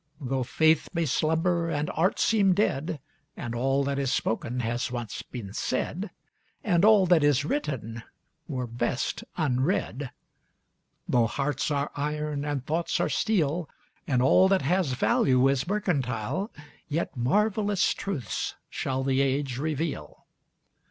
Though faith may slumber and art seem dead, And all that is spoken has once been said, And all that is written were best unread; Though hearts are iron and thoughts are steel, And all that has value is mercantile, Yet marvellous truths shall the age reveal.